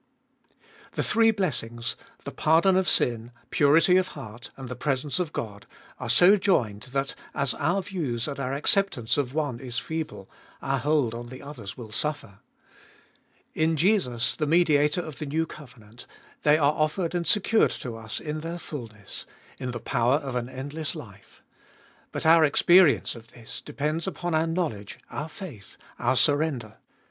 The three blessings — the pardon of sin, purity of heart, and the presence of God — are so joined, that as our views and our acceptance of one is feeble, our hold on the others will suffer. 280 abe Dolfest ot 2W In Jesus the Mediator of the new covenant they are offered and secured to us in their fulness, in the power of an endless life. But our experience of this depends upon our knowledge, our faith, our surrender.